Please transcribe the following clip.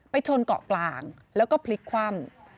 ชนเกาะกลางแล้วก็พลิกคว่ำ